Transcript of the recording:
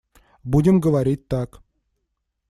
Будем говорить так.